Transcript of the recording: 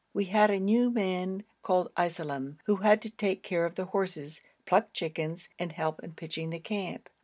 We had a new man called Iselem, who was to take care of the horses, pluck chickens, and help in pitching the camp.